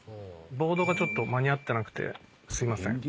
ボードがちょっと間に合ってなくてすいません。